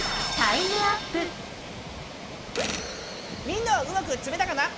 みんなはうまくつめたかな？